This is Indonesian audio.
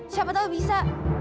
siapa tahu bisa